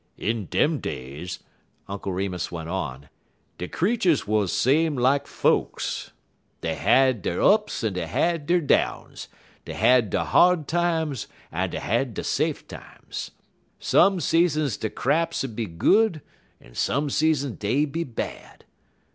"In dem days," Uncle Remus went on, "de creeturs wuz same lak folks. Dey had der ups en dey had der downs; dey had der hard times, and dey had der saf' times. Some seasons der craps 'ud be good, en some seasons dey'd be bad.